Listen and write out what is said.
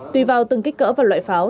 tùy vào từng kích cỡ và loại pháo